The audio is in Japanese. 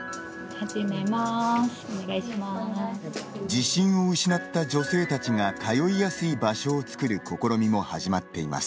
自信を失った女性たちが通いやすい場所を作る試みも始まっています。